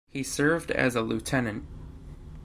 He served as a lieutenant.